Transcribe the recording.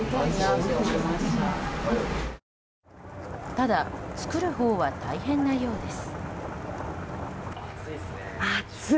ただ、作るほうは大変なようです。